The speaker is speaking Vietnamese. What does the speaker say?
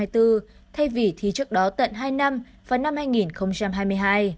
thay vì thi trước đó tận hai năm vào năm hai nghìn hai mươi hai